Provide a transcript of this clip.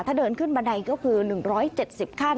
ถ้าเดินขึ้นบันไดก็คือ๑๗๐ขั้น